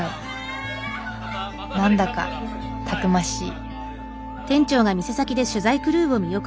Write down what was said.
何だかたくましい。